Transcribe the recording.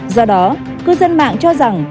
do đó cư dân mạng cho rằng